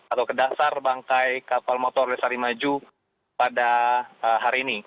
atau ke dasar bangkai kapal motor lesari maju pada hari ini